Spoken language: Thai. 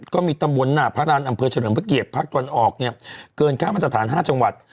ก็มีตำบลหน้าพระราณอำเภอเฉลิมพระเกียรติภาคตะวันออกเนี่ยเกินค่ามาตรฐาน๕จังหวัด